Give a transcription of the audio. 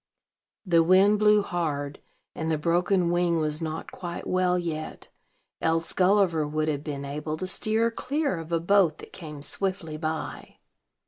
The wind blew hard, and the broken wing was not quite well yet, else Gulliver would have been able to steer clear of a boat that came swiftly by.